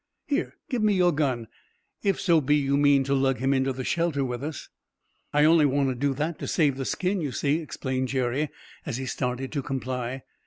Here, give me your gun, if so be you mean to lug him into the shelter with us." "I only want to do that to save the skin, you see," explained Jerry, as he started to comply.